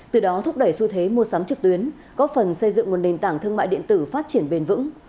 từ đó thúc đẩy xu thế mua sắm trực tuyến góp phần xây dựng một nền tảng thương mại điện tử phát triển bền vững